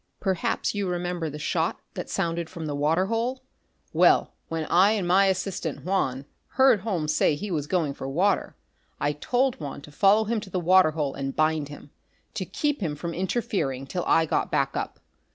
Perhaps you remember the shot that sounded from the water hole? Well, when I and my assistant, Juan, heard Holmes say he was going for water, I told Juan to follow him to the water hole and bind him, to keep him from interfering till I got back up.